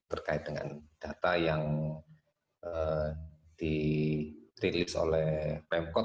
terkait dengan data yang dirilis oleh pemkot